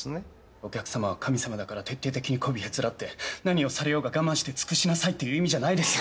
お客さまは神様だから徹底的にこびへつらって何をされようが我慢して尽くしなさいっていう意味じゃないですよ。